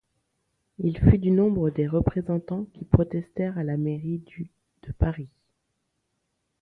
Il fut du nombre des représentants qui protestèrent à la mairie du de Paris.